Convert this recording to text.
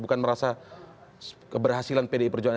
bukan merasa keberhasilan pdi perjuangan